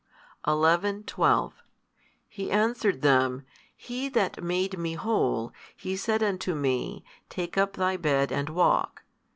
|240 11, 12 He answered them, He That made me whole, He said unto me, Take up thy bed and walk.